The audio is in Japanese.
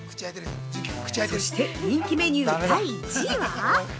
そして、人気メニュー第１位は？